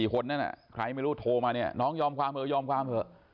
คนนั้นใครไม่รู้โทรมาเนี่ยน้องยอมความเถอะยอมความเถอะ